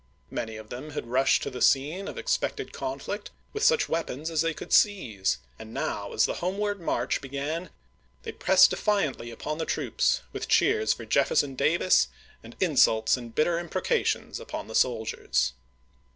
Many of them had rushed to the scene of expected conflict with such weapons as they could seize ; and now as the homeward march began they pressed defiantly upon the troops, with cheers for Jefferson Davis and insults and bitter imprecations upon the soldiers.